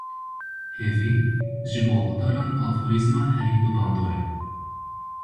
Hêvî, ji bo oldaran aforîzma herî bibandor e.